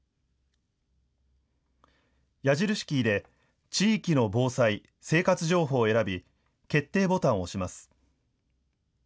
矢印キーで地域の防災・生活情報を選び決定ボタンを押します。